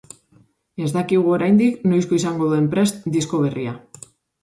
Ez dakigu oraindik noizko izango duen prest disko berria.